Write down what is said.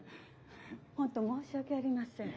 本当申し訳ありません」。